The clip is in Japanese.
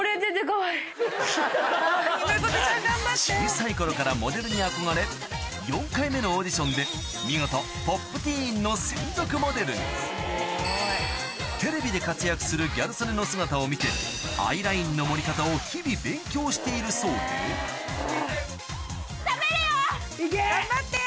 小さい頃からモデルに憧れ４回目のオーディションで見事テレビで活躍するギャル曽根の姿を見てアイラインの盛り方を日々勉強しているそうで頑張って！